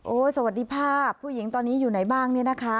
โอ้สวัสดีภาพผู้หญิงตอนนี้อยู่ไหนบ้าง